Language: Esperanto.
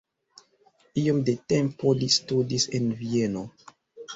Iom de tempo li studis en Vieno.